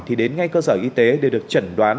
thì đến ngay cơ sở y tế để được chẩn đoán